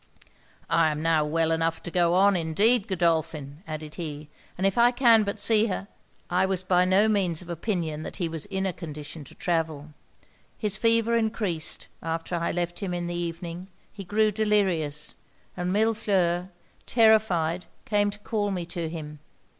'"I am now well enough to go on, indeed Godolphin," added he, "and if I can but see her! " 'I was by no means of opinion that he was in a condition to travel. His fever encreased; after I left him in the evening, he grew delirious; and Millefleur, terrified, came to call me to him.